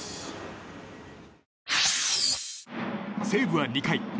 西武は２回。